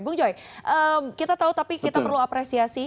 bung joy kita tahu tapi kita perlu apresiasi